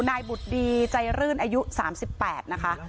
นายบุตรดีใจรื่นอายุ๓๘นะคะ